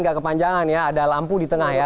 agak kepanjangan ya ada lampu di tengah ya